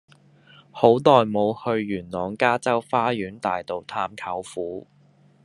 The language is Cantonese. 好耐無去元朗加州花園大道探舅父